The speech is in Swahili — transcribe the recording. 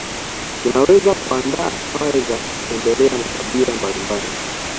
Tunaweza kuandaa safari za kutembelea makabila mbalimbali